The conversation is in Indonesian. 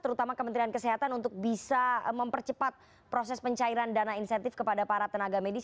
terutama kementerian kesehatan untuk bisa mempercepat proses pencairan dana insentif kepada para tenaga medis